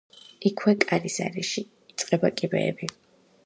იქვე, კარის არეში, იწყება კიბეები.